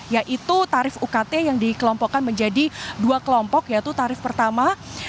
yaitu tarif ukt yang dikelompokkan menjadi dua kelompok yaitu tarif pertama